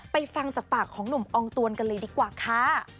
ฟังจากปากของหนุ่มอองตวนกันเลยดีกว่าค่ะ